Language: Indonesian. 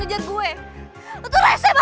gue tau lo itu gak pernah serius man